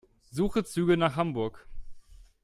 Suche Züge nach Hamburg.